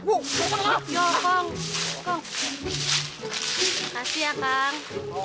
kasih ya kang